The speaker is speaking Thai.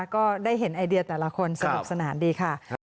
ก็ได้เห็นไอเดียแต่ละคนสนุกสนานดีค่ะ